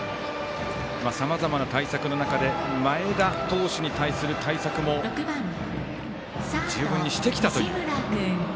さまざまな対策の中で前田投手に対する対策も十分にしてきたという。